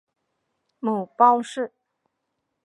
母包氏。